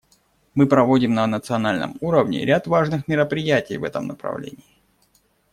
Мы проводим на национальном уровне ряд важных мероприятий в этом направлении.